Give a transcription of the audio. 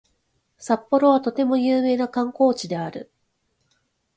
札幌はとても有名な観光地である